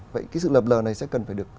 vậy cái sự lập lờ này sẽ cần phải được